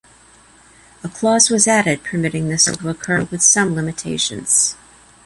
A clause was added permitting this to occur with some limitations.